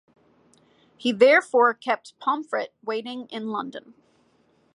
He therefore kept Pomfret waiting in London.